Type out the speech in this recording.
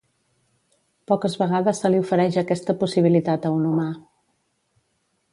Poques vegades se li ofereix aquesta possibilitat a un humà.